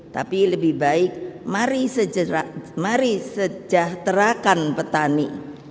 tapi lebih baik mari sejahterakan petani